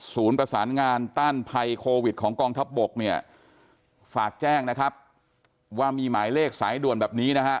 ประสานงานต้านภัยโควิดของกองทัพบกเนี่ยฝากแจ้งนะครับว่ามีหมายเลขสายด่วนแบบนี้นะฮะ